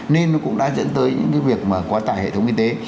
nên nó cũng đã dẫn tới những cái việc mà quá tải hệ thống y tế